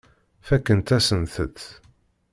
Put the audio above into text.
Fakkent-asent-t.